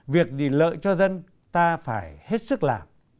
việc gì lợi cho dân ta phải hết sức làm